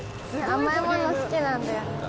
甘いもの好きなんだよね。